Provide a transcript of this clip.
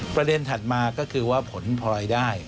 ประเด็นถัดมาก็คือว่าผลพลอยได้